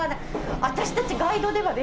私たちガイドではですね